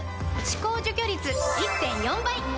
歯垢除去率 １．４ 倍！